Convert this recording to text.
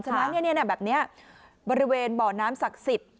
ฉะนั้นแบบนี้บริเวณบ่อน้ำศักดิ์สิทธิ์